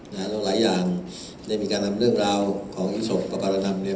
แล้วหลายอย่างได้มีการนำเรื่องราวของศพประการธรรมเนี่ย